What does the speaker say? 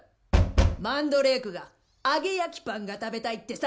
・マンドレークが揚げ焼きパンが食べたいってさ！